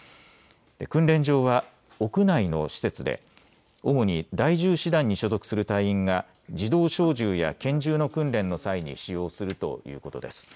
訓練場は屋内の施設で主に第１０師団に所属する隊員が自動小銃や拳銃の訓練の際に使用するということです。